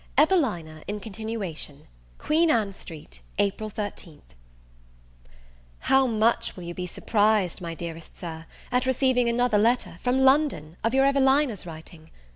EVELINA IN CONTINUATION. Queen Ann Street, April 13. HOW much will you be surprised, my dearest Sir, at receiving another letter, from London, of your Evelina's writing!